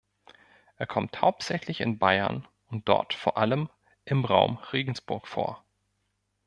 Er kommt hauptsächlich in Bayern und dort vor allem im Raum Regensburg vor.